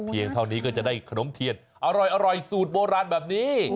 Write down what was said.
เท่านี้ก็จะได้ขนมเทียนอร่อยสูตรโบราณแบบนี้